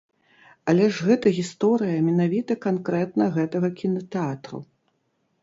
Але ж гэта гісторыя менавіта канкрэтна гэтага кінатэатру!